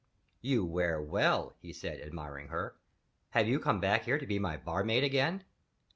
"You wear well," he said, admiring her. "Have you come back here to be my barmaid again?"